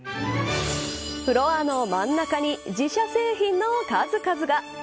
フロアの真ん中に自社製品の数々が。